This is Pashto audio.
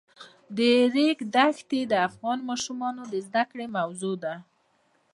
د ریګ دښتې د افغان ماشومانو د زده کړې موضوع ده.